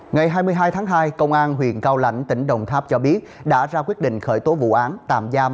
ngày hai mươi hai tháng hai công an huyện cao lãnh tỉnh đồng tháp cho biết đã ra quyết định khởi tố vụ án tạm giam